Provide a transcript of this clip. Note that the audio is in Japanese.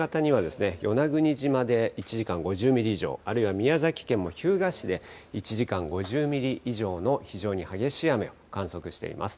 先ほどまで明け方には与那国島で１時間５０ミリ以上、宮崎県も日向市で１時間に５０ミリ以上の非常に激しい雨を観測しています。